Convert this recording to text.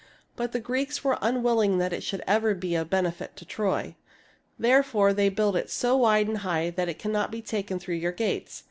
But the Greeks were unwilling that it should ever be a THE FALL OF TROY 147 benefit to Troy. Therefore they built it so wide and high that it cannot be taken through your gates.